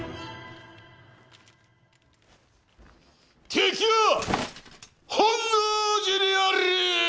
敵は本能寺にあり！